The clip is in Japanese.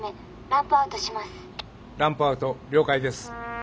ランプアウト了解です。